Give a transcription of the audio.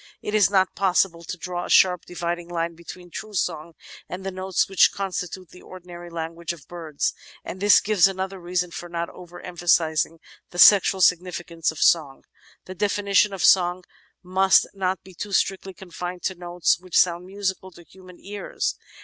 It is not possible to draw a sharp dividing line between true song and the notes which constitute the ordinary language of birds, and this gives another reason for not over emphasising the sexual significance of song. The definition of song must not be too strictly confined to notes which sound musical to human ears.